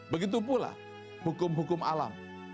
begitu pula hukum hukum alam